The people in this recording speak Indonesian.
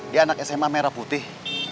dia anak sma merah putih